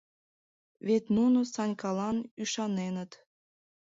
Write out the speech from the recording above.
Вет нуно Санькалан ӱшаненыт...